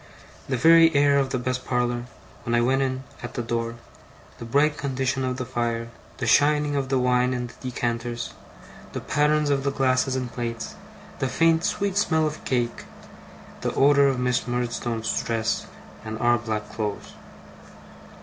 The very air of the best parlour, when I went in at the door, the bright condition of the fire, the shining of the wine in the decanters, the patterns of the glasses and plates, the faint sweet smell of cake, the odour of Miss Murdstone's dress, and our black clothes.